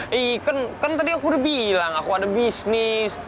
hei kan tadi aku udah bilang aku ada bisnis